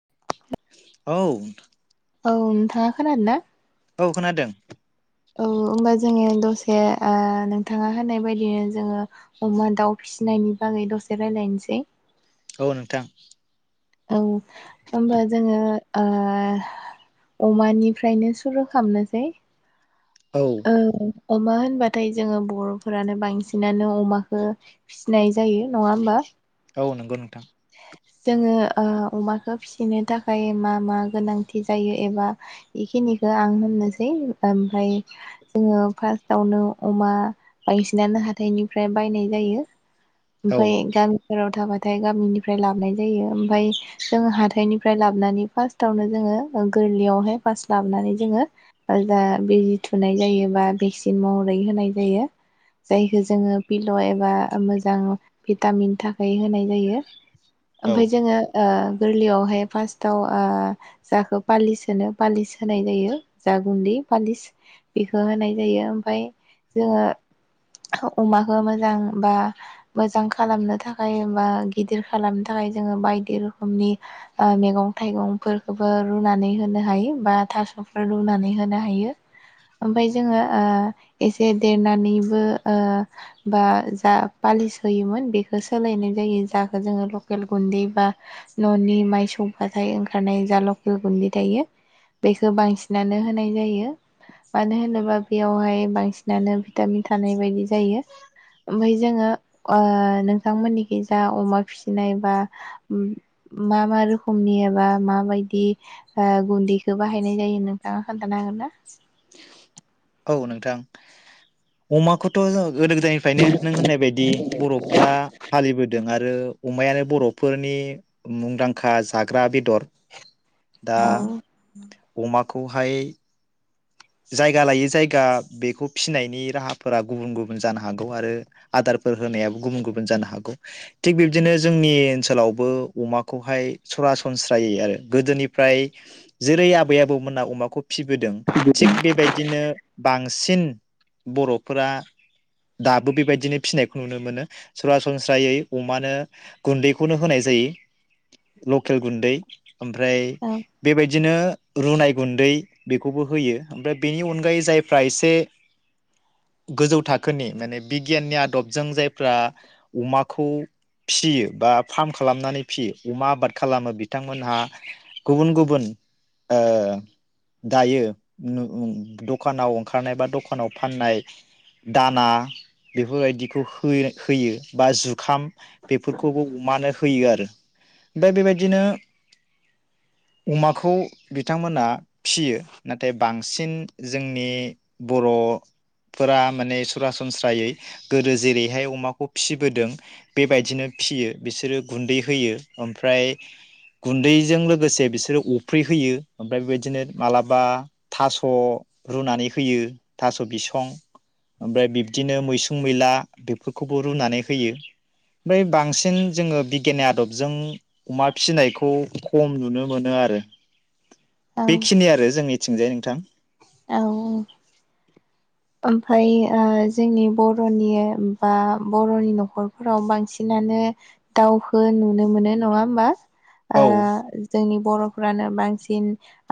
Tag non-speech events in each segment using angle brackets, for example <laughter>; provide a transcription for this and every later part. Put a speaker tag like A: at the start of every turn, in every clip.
A: औ
B: औ नोंथाङा खोनादों ना
A: औ खोनादों
B: औ होमबा जोंङो दसे ओ नोंथाङा होनाय बायदिनो जोंङो अमा दाउ फिसिनायनि बागै दसे रायजलायनोसै
A: औ नोंथां
B: औ ओमबा जोंङो ओ अमानिफ्रायनो सुरु खामनोसै
A: औ
B: ओ अमा होनबाथाय जोङो बरफोरानो बांसिनानो अमाखो फिसिनाय जायो नङा ओमबा
A: औ नंगौ नोंथां
B: जोङो ओ अमाखो फिसिनो थाखाय मा मा गोनांथि जायो एबा बेखिनिखो आं होननोसै ओमफ्राय जोङो फार्स्टावनो अमा बांसिनानो हाथाइनिफ्राय बायनाय जायो
A: औ
B: ओमफाय गाम फोराव थाबाथाय गामिनिफ्राय लाबनाय जायो ओम ओमफाय जोंङो हाथायनिफ्राय लाबनानै फार्स्टआवनो जोङो ओ गोरलैयावहाय फार्स्ट लाबनानै जोङो जा बिजि थुनाय जायो बा भेक्सिन महरै होनाय जायो जायखौ जोङो पिल' एबा मोजां भिटामिन थाखाय होनाय जायो
A: औ
B: ओमफाय जोङो ओ गोरलैयावहाय फार्स्टाव ओ जाखौ पालिस होनो पालिस होनाय जायो जा गुन्दै पालिस बेखौ होनाय जायो ओमफाय जोङो अमाखौ मोजां बा मोजां खालामनो थाखाय बा गिदिर खालामनो थाखाय जोङो बाय बायदि रोखोमनि ओ मेगं थाइगंफोरखोबो रुनानै होनो हायो बा थास'फोर रुनानै होनो हायो ओमफाय जोङो ओ एसे देरनानैबो ओ बा जा पालिस होयोमोन बेखो सोलायनाय जायो जाखो जोङो लकेल गुन्दै बा ननि माइ सौबाथाय ओंखारनाय जा लकेल गुन्दै थायो बेखो बांसिनानो होनाय जायो मानो होनोबा बेयावहाय बांसिनानो भिटामिन थानाय बायदि जायो ओमफाय जोङो ओ नोंथांमोननिखि जा अमा फिसिनाय बा ओम मा मा रोखोमनि एबा माबायदि ओ गुन्दैखो बाहायनाय जायो नोंथाङा खोन्थानो हागोन ना
A: औ नोंथां अमाखौथ जों गोदो गोदायनिफ्रायनो नों होननाय बायदि बरफ्रा फालिबोदों आरो आरो अमायानो बरफोरनि मुंदांखा जाग्रा बेदर दा अमा खौहाय जायगा लायै जायगा बेखौ फिसिनायनि राहाफोरा गुबुन गुबुन जानो हागौ आरो आदारफोर होनायाबो गुबुन गुबुन जानो हागौ थिग बिब्दिनो जोंनि ओनसोलावबो अमाखौहाय सरासनस्रायै आरो गोदोनिफ्राय जेरै आबै आबौमोना अमाखौ फिबोदों थिग बेबायदिनो बांसिन बरफोरा दाबो बेबायदिनो फिनायखौ नुनो मोनो सरासनस्रायै अमानो गुन्दैखौनो होनाय जायो लकेल गुन्दै ओमफ्राय
B: औ
A: बेबायदिनो रुनाय गुन्दै बेखौबो होयो ओमफ्राय बेनि अनगायै जायफ्रा एसे गोजौ थाखोनि माने बिगियाननि आदबजों जायफ्रा अमाखौ फियो बा फार्म खालामनानै फियो अमा आबाद खालामो बिथांमोनहा गुबुन गुबुन ओ दायो नु उ दखानाव ओंखारनाय बा दखानाव फाननाय दाना बेफोरबायदिखौ हो होयो बा जुखाम बेफोरखौबो अमानो होयो आरो ओमफ्राय बेबायदिनो अमाखौ बिथांमोना फियो ना नाथाय बांसिन जोंनि बरफोरा माने सरासनस्रायै गोदो जेरैहाय अमाखौ फिबोदों बेबायदिनो फियो बिसोरो गुन्दै होयो ओमफ्राय गुन्दैजों लोगोसे बिसोरो अफ्रि होयो ओमफ्राय बेबायदिनो मालाबा थास रुनानै होयो थास बिसं ओमफ्राय बिब्दिनो मैसुं मैला बेफोरखौबो रुनानै होयो ओमफ्राय बांसिन जोङो बिगियाननि आदबजों अमा फिनायखौ खम नुनो मोनो आरो बेखिनि आरो जोंनि होनजायो नोंथां
B: औ औ ओमफाय ओ जोंनि बरनि बा बरनि नखरफोराव बांसिनानो दावखो नुनो मोनो नङा होमबा ओ
A: औ
B: जोंनि बरफ्रानो बांसिन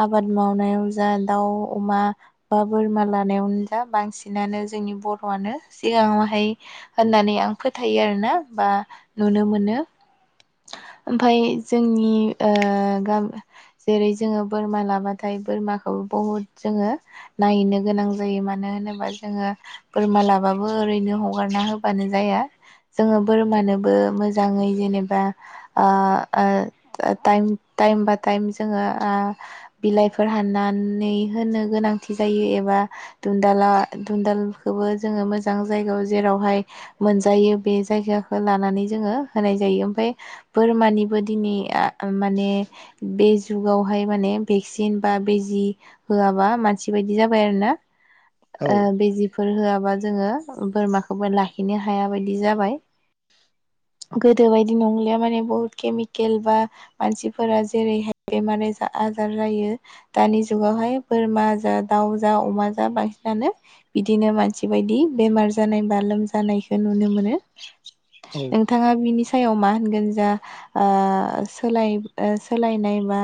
B: आबाद मावनायावनो जा दाउ अमा बा बोरमा लानायावनो दा बांसिनानो जोंनि बरआनो सिगाङावहाय होननानै आं फोथायो आरोना बा नुनो मोनो ओमफाय जोंनि ओ गाम जेरै जोङो बोरमा लाबाथाय बोरमाखौ बहुद जोङो नायहैनो गोनां जायो मानो होनोबा जोङो बोरमा लाबाबो ओरैनो हगारना होबानो जाया जोङो बोरमानोबो मोजाङै जेनेबा ओ ओ ओ टाइम टाइम बा टाइम जोङो ओ बिलाइफोर हाननानै होनो गोनांथि जायो एबा दुन्दाला दुनन्दालखौबो जोङो मोजां जायगायाव जेरावहाय मोनजायो बे जायगाखौ लानानै जोङो होनाय जायो ओमफाय बोरमानिबो दिनि आ माने बे जुगावहाय माने भेक्सिन बा बेजि होआबा मानसि बायदि जाबाय आरो ना
A: औ
B: ओ बिजि फोर होआबा जोङो बोरमाखौबो लाखिनो हाया बायदि जाबाय गोदो बायदि नंलि माने बहुत केमिकेल बा मानसिफोरा जेरैहाय बेमार जा आजार जायो दानि जुगावहाय बोरमा जा दाउ जा अमा जा बांसिनानो बिदिनो मानसि बायदि बेमार जानाय बा लोमजानायखो नुनो मोनो
A: औ
B: नोंथाङा बिनि सो सायाव मा मोनगोन जा आ सोलाय ओ सोलायनायबा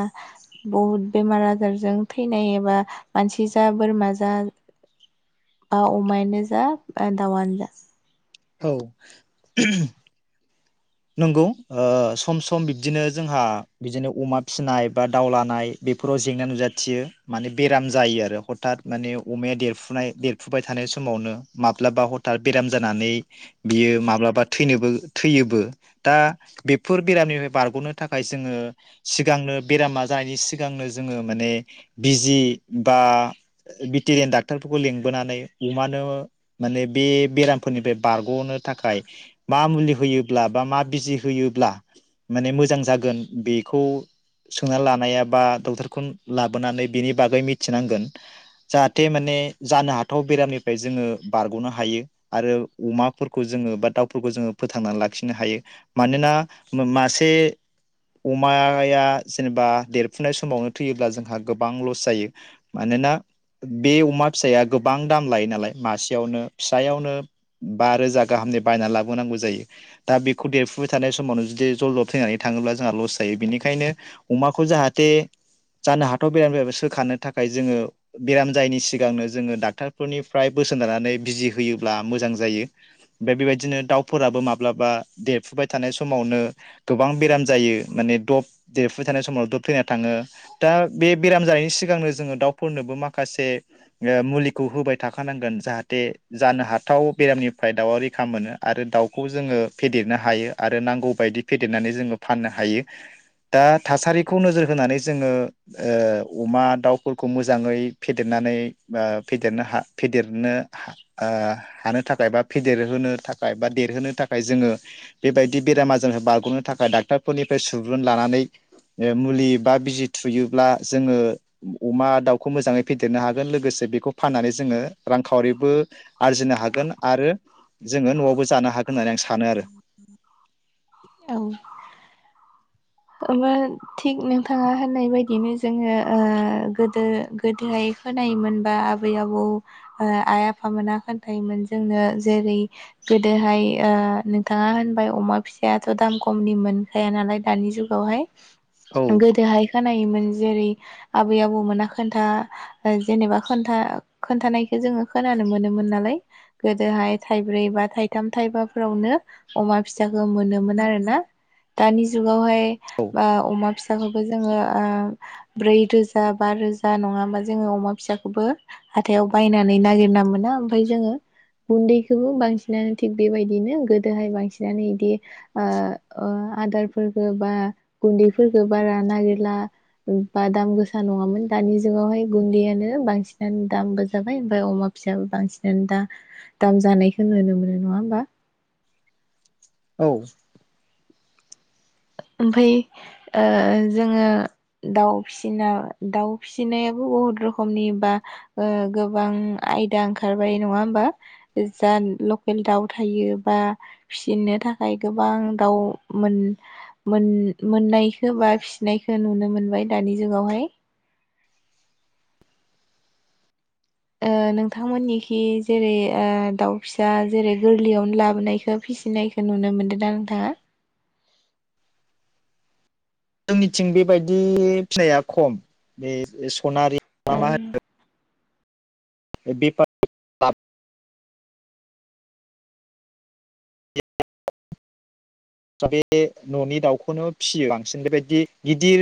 B: बहुद बेमार आजारजों थैनाय एबा मानसि जा बोरमा जा बा अमायानो जा बा दाउआनो जा
A: औ नंगौ ओ सम सम बिब्दिनो जोंहा बिदिनो अमा फिसिनाय बा दाउ लानाय बेफोराव जेंना नुजाथियो माने बेराम जायो आरो हथात माने अमाया देरफुनाय देरफुबाय थानाय समावनो माब्लाबा हथात बेराम जानानै बियो माब्लाबा थैनोबो थैयोबो दा बेफोर बेरामनिफ्राय बारग'नो थाखाय जोङो सिगांनो बेरामा जानायनि सिगांनो जोङो माने बिजि बा भेटेरियान डाक्टरफोरखौ लेंंबोनानै अमानो माने बे बेरामफोरनिफ्राय बारग'नो थाखाय मा मुलि होयोब्ला बा मा बिजि होयोब्ला माने मोजां जागोन बेखौ सोंनानै लानाया बा डक्टरखौ लाबोनानै बेनि बागै मिथिनांगोन जाहाथे माने जानो हाथाव बेरामनिफ्राय जोङो बारग'नो हायो आरो अमाफोरखौ जोङो बा दाउफोरखौ जोङो फोथांनानै ला लाखिनो हायो मानोना मा-मासे अमाया जेनेबा देरफुनाय समावनो थैयोब्ला जोंहा गोबां लस जायो मानोना बे अमा फिसाया गोबां दाम लायो नालाय मासेयावनो फिसायावनो बा रोजा गाहामनि बायनानै लाबोनांगौ जायो दा बेखौ देरफुबाय थानाय समावनो जुदि जल दब थैनानै थाङोब्ला जोंहा लस जायो बेनिखायनो अमाखौ जाहाथे जानो हाथाव बेरामनिफ्रायबो सोखानो थाखाय जोङो बेराम जायैनि सिगांनो जोङो डाक्टरफोरनिफ्राय बोसोन लानानै बिजि होयोब्ला मोजां जायो बे बेबायदिनो दाउफोराबो माब माब्लाबा देरफुबाय थानाय समावनो गोबां बेराम जायो माने दब देरफुबाय थानाय समाव दब थैना थाङो दा बे बेराम जानायनि सिगांनो जोङो दाउफोरनोबो माखासे ओ मुलिखौ होबाय थाखानांगोन जाहाथे जानो हाथाव बेरामनिफ्राय दाउआ रैखा मोनो आरो दाउखौ खौ जोङो फेदेरनो हायो आरो नांगौ बायदि फेदेरनानै जोङो फाननो हायो दा थासारिखौ नोजोर होनानै जोङो ओ अमा दाउफोरखौ मोजाङै फेदेरनानै बा फेेदेरनो हा फेदेरनो हा ओ हानो थाखाय बा फेदेरहोनो थाखाय बा देरहोनो थाखाय जोङो बेबायदि बेराम आजारखो बारग'नो थाखाय डाक्ट'रफोरनिफ्राय सुबुरुन लानानै ओ मुलि बा बिजि थुयोब्ला जोङो अमा दाउखौ मोजाङै फेदेरनो हागोन लोगोसे बेखौ फाननानै जोङो रांखावरिबो आरजिनो हागोन आरो जोङो न'आवबो जानो हागो
B: औ थिग नोंथाङा होननाय बायदिनो जोङो ओ गोदो गोदोहाय खोनायोमोनबा आबै आबौ ओ आइ आफामोना खोन्थायायोमोन जोंनो जेरै गोदोहाय ओ नोंथाङा होनबाय अमा फिसायाथ' दाम खमनि मोनखाया नालाय दानि जुग बेवहाय
A: औ
B: गोदोहायखो खोनायोमोन जेरै आबै आबौमोना खोन्था ओ जेनेबा खोनथा खोन्थानायखो जोङो खोनानो मोनोमोन नालाय गोदोहाय थाइब्रै बा थाइथाम थाइबाफोरावनो अमा फिसाखो मोनोमोन आरोना दानि जुगावहाय
A: औ
B: बा अमा फिसाखौबो जोङो ओ ब्रै रोजा बा रोजा नङाबा जोङो अमा फिसाखौबो हाथायाव बायनानै नागिरना मोना ओमफ्राय जोङो गुन्दैखौबो बांसिनानो थिग बेबायदिनो गोदोहाय बांसिनानो बिदि ओ अ आदारफोरबो बा गुन्दैफोरखो बारा नागिरला बा दाम गोसा नङामोन दानि जुगावहाय गुन्दैयानो बांसिनानो दामबो जाबाय ओमफ्राय अमा फिसायाबो बांसिनानो दा दाम जानायखौ नुनो मोनो नङा होमबा?
A: औ
B: ओमफफ्राय ओ जोङो दाउ फिसिना दाउ फिसिनायाबो बहुद रोखोमनि बा ओ गोबां आयदा ओंखारबाय नङा होमबा? जा लकेल दाउ थायो बा फिसिनो थाखाय गोबां दाउ मोन मोन-मोननायखो बा फिसिनायखो नुनो मोनबाय दानि जुगावहाय ओ नोंथांमोननिखि जेरै ओ दाउ फिसा जेरै गोरलैयावनो लाबोनायखो फिसिनायखो नुनो मोनदों ना नोंथाङा?
A: जोंनिथिं बेबायदि फिनाया खम बे <unintelligible> खनारि मा
B: ओ
A: मा होनो <unintelligible> <unintelligible> द बे ए न'नि दाउखौनो फिसियो बांसिन बेबायदि गिदिर